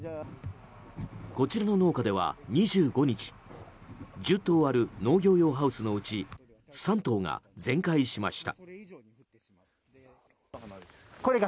こちらの農家では２５日１０棟ある農業用ハウスのうち３棟が全壊しました。